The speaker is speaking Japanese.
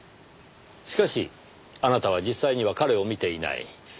しかしあなたは実際には彼を見ていない。